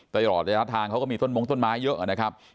ตลอดระยะทางเขาก็มีต้นมงต้นไม้เยอะนะครับ